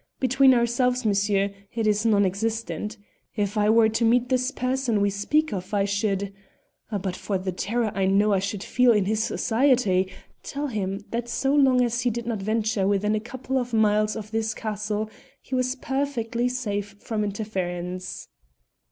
Between ourselves, monsieur, it is non existent. If I were to meet this person we speak of I should but for the terror I know I should feel in his society tell him that so long as he did not venture within a couple of miles of this castle he was perfectly safe from interference."